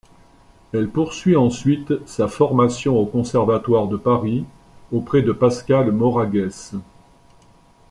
Elle poursuit ensuite sa formation au Conservatoire de Paris auprès de Pascal Moraguès.